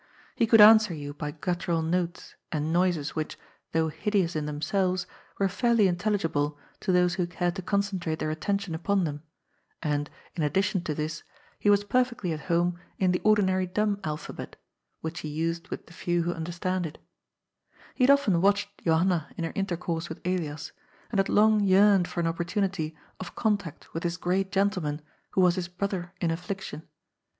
He could answer you by guttural notes and noises which, though hideous in themselves, were fairly intelligible to those who cared to concentrate their at tention upon them, and, in addition to this, he was perfectly TWO BROTHERS IN MISFORTUNE. 263 fit home in the ordinary dumb alphabet, which he used with the few who understand it He had often watched Johanna in her intercourse with Elias, and had long yearned for an opportunity of contact with this great gentleman who was his brother in affliction.